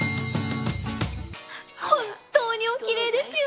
本当におきれいですよね！